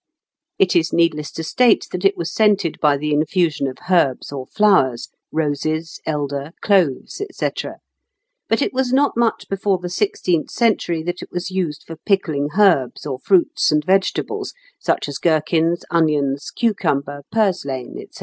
It is needless to state that it was scented by the infusion of herbs or flowers roses, elder, cloves, &c. but it was not much before the sixteenth century that it was used for pickling herbs or fruits and vegetables, such as gherkins, onions, cucumber, purslain, &c.